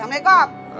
kamu udah berusaha hamil